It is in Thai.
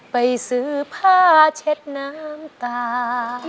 ไปซื้อผ้าเช็ดน้ำตา